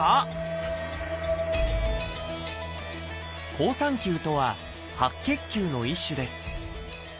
「好酸球」とは白血球の一種です。